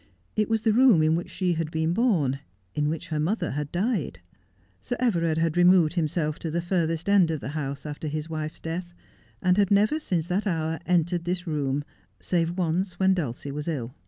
It was the room in which she had been born, in which her mother had died. Sir Everard had removed himself to the furthest end of the house after his wife's death, and had never since that ho un entered this room save once when Dulcie wa3 ill.